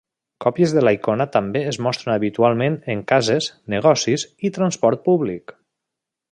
Còpies de la icona també es mostren habitualment en cases, negocis i transport públic.